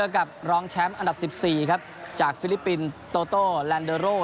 กับรองแชมป์อันดับ๑๔ครับจากฟิลิปปินส์โตโต้แลนเดอโร่